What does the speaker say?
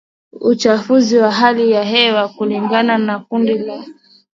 uchafuzi wa hali ya hewa kulingana na kundi la